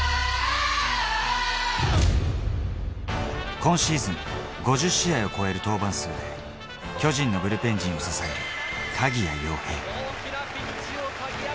今シーズン５０試合を超える登板数、巨人ブルペン陣の柱、鍵谷陽平。